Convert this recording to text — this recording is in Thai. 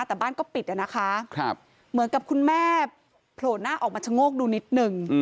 แต่บ้านก็ปิดนะคะเหมือนกับคุณแม่โผล่หน้าออกมาชะโงกดูนิดนึง